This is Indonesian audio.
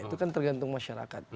itu kan tergantung masyarakat